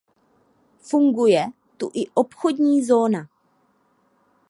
Funguje tu i obchodní zóna.